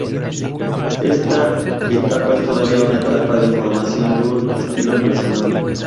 Esta etapa es todavía una etapa de formación de un estilo personal.